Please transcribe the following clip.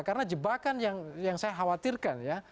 karena jebakan yang saya khawatirkan ya